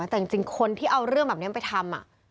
แต่จริงคนที่เอาเรื่องแบบนี้ไปทำ